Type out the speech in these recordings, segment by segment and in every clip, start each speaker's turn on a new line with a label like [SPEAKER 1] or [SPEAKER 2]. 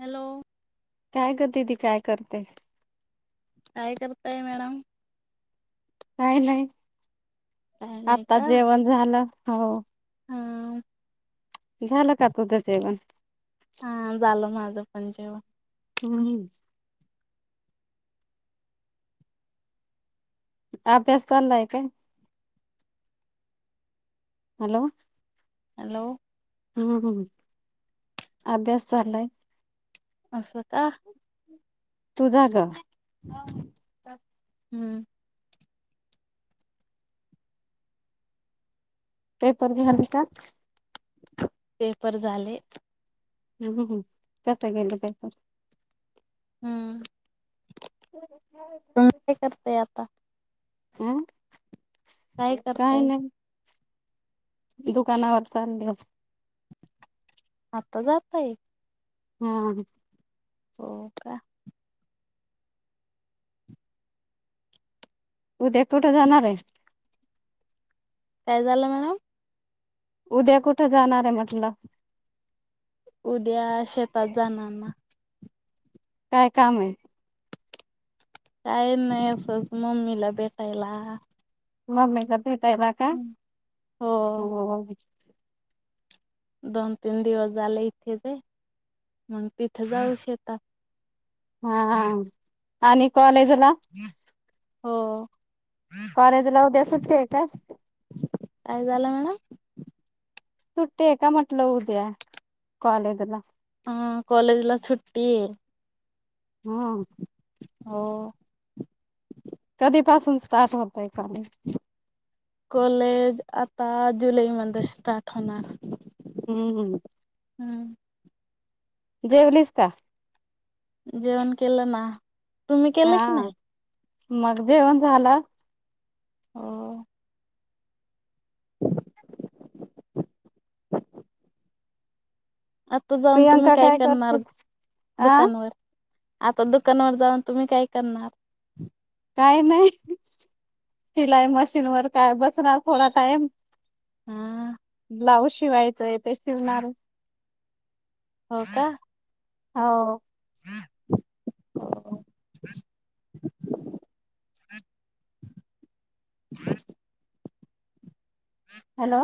[SPEAKER 1] Hello
[SPEAKER 2] काय करते ती काय करते.
[SPEAKER 1] काय करताय मॅडम.
[SPEAKER 2] काय नाही.
[SPEAKER 1] काय नाही
[SPEAKER 2] आताच
[SPEAKER 1] का
[SPEAKER 2] जेवण झालं. हो
[SPEAKER 1] ह
[SPEAKER 2] झालं का तूझं जेवण?
[SPEAKER 1] हा झालं माझं पण जेवण
[SPEAKER 2] [unintelligible] अभ्यास चाललाय काय? हॅलो
[SPEAKER 1] हॅलो
[SPEAKER 2] हम्म हम्म अभ्यास चाललाय.
[SPEAKER 1] अस का?
[SPEAKER 2] तू जा ग
[SPEAKER 1] हम्म
[SPEAKER 2] पेपर झाले का?
[SPEAKER 1] पेपर झाले.
[SPEAKER 2] ह कसं गेलं पेपर?
[SPEAKER 1] हम्म.
[SPEAKER 2] [inaudible]
[SPEAKER 1] तुम्ही काय करताय आता?
[SPEAKER 2] हम्म
[SPEAKER 1] काय करताय?
[SPEAKER 2] दुकानावर चालले.
[SPEAKER 1] आता जाताय?
[SPEAKER 2] हम्म
[SPEAKER 1] हो का.
[SPEAKER 2] उद्या कुठ जाणार आहे?
[SPEAKER 1] काय झालं मॅडम?
[SPEAKER 2] उद्या कुठं जाणार आहे म्हटलं?
[SPEAKER 1] उद्या शेतात जाणारना.
[SPEAKER 2] काय काम आहे?
[SPEAKER 1] काही नाही असंच मम्मीला भेटायला.
[SPEAKER 2] ममी का मम्मीला भेटायला का?
[SPEAKER 1] हो दोन तीन दिवस झाले इथेच हाय, मग तिथे जाऊ शेतात.
[SPEAKER 2] हा. आणि कॉलेज
[SPEAKER 1] [inaudible] हो.
[SPEAKER 2] कॉलेज ला उद्या सुट्टी हाय काय?
[SPEAKER 1] काय झालं मॅडम?
[SPEAKER 2] सुट्टी आहे का म्हटलं ऊद्या कॉलेजला?
[SPEAKER 1] ह कॉलेज ला सुट्टीये.
[SPEAKER 2] हम्म.
[SPEAKER 1] हो.
[SPEAKER 2] कधीपासून स्टार्ट होतय कॉलेज?
[SPEAKER 1] कॉलेज आता जुलैमध्ये स्टार्ट होणारं.
[SPEAKER 2] हम्म हम्म.
[SPEAKER 1] हम्म.
[SPEAKER 2] जेवलीस का?
[SPEAKER 1] जेवण केलना. तुम्ही केल की
[SPEAKER 2] हा
[SPEAKER 1] नाही?
[SPEAKER 2] मग जेवण झाल?
[SPEAKER 1] हो. आता जाऊन तुम्ही
[SPEAKER 2] प्रियांका
[SPEAKER 1] काय
[SPEAKER 2] करत
[SPEAKER 1] करणार
[SPEAKER 2] होती? अ
[SPEAKER 1] दुकानवर? आता दुकानवर जाऊन तुम्ही काय करणार?
[SPEAKER 2] काही नाही सिलाई मशीन वर काय बसणार थोडा टाईम.
[SPEAKER 1] हा.
[SPEAKER 2] ब्लाऊज शिवायचंय ते शिवणार.
[SPEAKER 1] हो का?
[SPEAKER 2] हो.
[SPEAKER 1] [inaudible] [inaudible]
[SPEAKER 2] हॅलो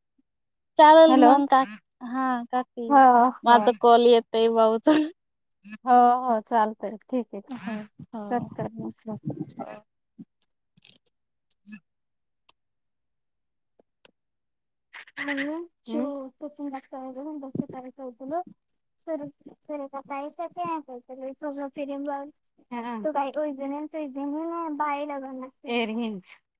[SPEAKER 1] [inaudible] चालेल
[SPEAKER 2] हॅलो
[SPEAKER 1] मग का हा काकी
[SPEAKER 2] हो हो
[SPEAKER 1] माझ कॉल येत ते ब्लाउज
[SPEAKER 2] हो हो चालतय ठीक आहे
[SPEAKER 1] हो.
[SPEAKER 2] कर कर
[SPEAKER 1] [unintelligible]
[SPEAKER 2] [unintelligible]